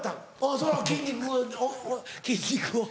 その筋肉筋肉を。